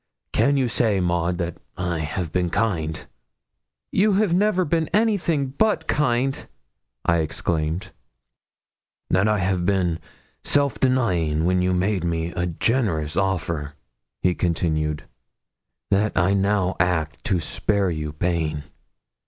Can you say, Maud, that I have been kind?' 'You have never been anything but kind,' I exclaimed. 'That I've been self denying when you made me a generous offer?' he continued. 'That I now act to spare you pain?